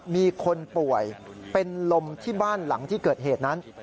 มีคนป่วยเป็นลมที่บ้านหลังที่เกิดเหตุนั้น